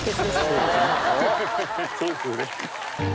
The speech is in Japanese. そうですね。